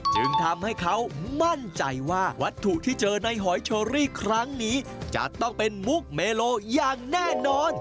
จึงทำให้เขามั่นใจว่าวัตถุที่เจอในหอยเชอรี่ครั้งนี้จะต้องเป็นมุกเมโลอย่างแน่นอน